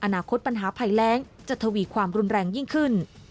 อนาคตปัญหาภัยแรงจะทวีความรุนแรงยิ่งขึ้น